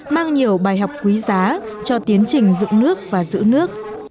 mang nhiều bài học quý giá cho tiến trình dựng nước và giữ nước